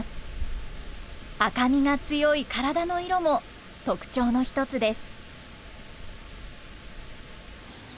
赤みが強い体の色も特徴の一つです。